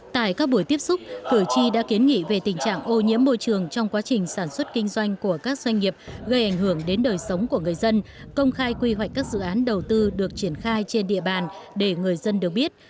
tại các buổi tiếp xúc cử tri đã kiến nghị về tình trạng ô nhiễm môi trường trong quá trình sản xuất kinh doanh của các doanh nghiệp gây ảnh hưởng đến đời sống của người dân công khai quy hoạch các dự án đầu tư được triển khai trên địa bàn để người dân được biết